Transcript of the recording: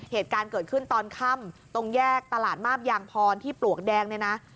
เหตุการณ์เกิดขึ้นตอนค่ำตรงแยกตลาดมาบยางพรที่ปลวกแดงเนี่ยนะ